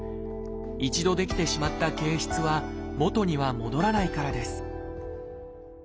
一度出来てしまった憩室は元には戻らないからです